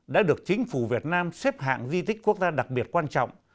đã được chính phủ việt nam xếp hạng di tích quốc gia đặc biệt quan trọng